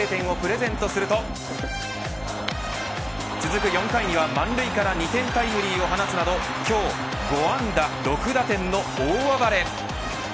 戸郷に先制点をプレゼントすると続く４回には、満塁から２点タイムリーを放つなど今日、５安打６打点の大暴れ。